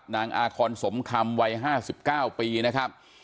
นางอาคอนสมคำวัย๕๙ปีนะครับ